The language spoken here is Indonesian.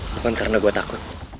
bukan karena gue takut